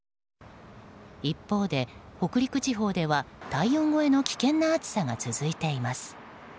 一方で、北陸地方では体温超えの危険な暑さが続いています。